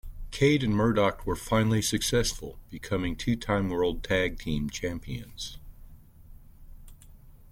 Cade and Murdoch were finally successful, becoming two time World Tag Team Champions.